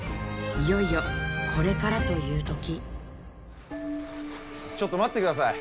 いよいよこれからという時ちょっと待ってください。